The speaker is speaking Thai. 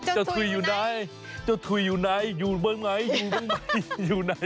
เจ้าถุยอยู่ไหนเจ้าถุยอยู่ไหนอยู่บ้างไหมอยู่บ้างไหมอยู่ไหน